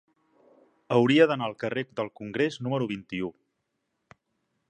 Hauria d'anar al carrer del Congrés número vint-i-u.